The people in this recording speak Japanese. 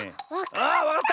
あわかった！